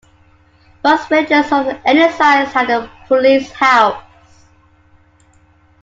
Most villages of any size had a "police house".